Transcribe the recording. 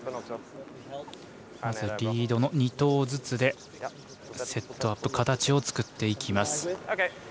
リードの２投ずつでセットアップ形を作っていきます。